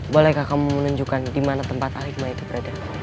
bolehkah kamu menunjukkan dimana tempat al hikmah itu berada